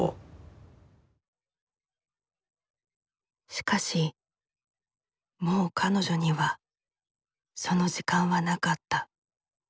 しかしもう彼女にはその時間はなかった。